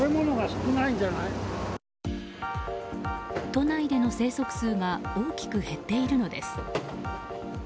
都内での生息数が大きく減っているのです。